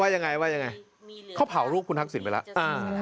ว่ายังไงเขาเผาลูกคุณทักษิณไปแล้ว